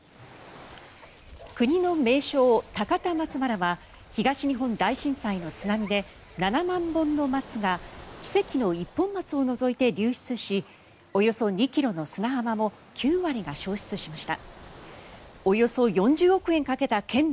国の名勝・高田松原は東日本大震災の津波で７万本の松が奇跡の一本松を除いて流失しおよそ２ｋｍの砂浜も９割が消失しました。